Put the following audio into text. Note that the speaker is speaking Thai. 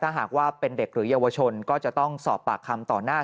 หากว่าเป็นเด็กหรือเยาวชนก็จะต้องสอบปากคำต่อหน้า